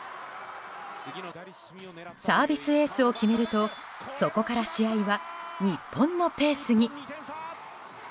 サービスエースを決めるとそこから試合は日本のペースに。